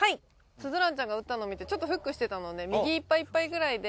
鈴蘭ちゃんが打ったのを見てちょっとフックしてたので右いっぱいいっぱいくらいで。